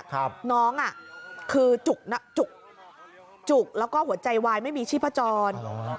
น้องอ่ะคือจุกจุกแล้วก็หัวใจวายไม่มีชีพจร